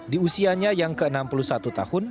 di usianya yang ke enam puluh satu tahun